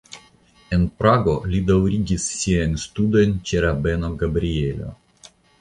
En Prago li daŭrigis siajn studojn ĉe rabeno Gabrielo.